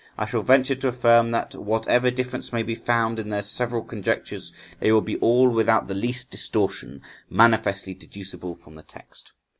I shall venture to affirm that, whatever difference may be found in their several conjectures, they will be all, without the least distortion, manifestly deducible from the text.